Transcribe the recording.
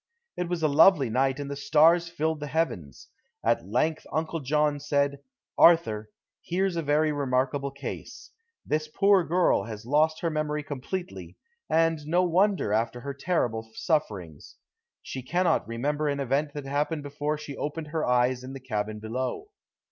It was a lovely night and the stars filled the heavens. At length Uncle John said, "Arthur, here's a very remarkable case. This poor girl has lost her memory completely, and no wonder, after her terrible sufferings. She cannot remember an event that happened before she opened her eyes in the cabin below.